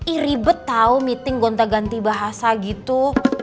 i ribet tahu meeting gonta ganti bahasa gitu